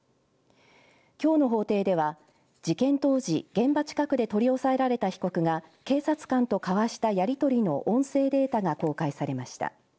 きょうの法廷では事件当時現場近くで取り押さえられた被告が警察官と交わしたやり取りの音声データが公開されました。